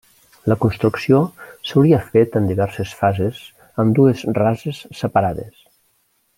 La construcció s'hauria fet en diverses fases amb dues rases separades.